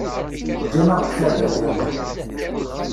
Ǧǧan-aɣ-d tarda leḥwal.